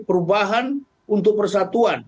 perubahan untuk persatuan